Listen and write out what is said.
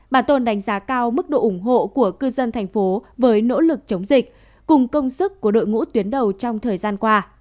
bảo tồn đánh giá cao mức độ ủng hộ của cư dân thành phố với nỗ lực chống dịch cùng công sức của đội ngũ tuyến đầu trong thời gian qua